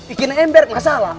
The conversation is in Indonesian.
bikin ember masalah